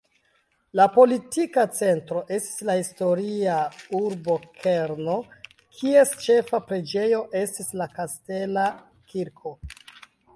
La politika centro estis la historia urbokerno, kies ĉefa preĝejo estis la kastela kirko.